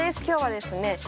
今日はですね